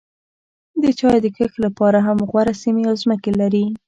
د چای د کښت لپاره هم غوره سیمې او ځمکې لري.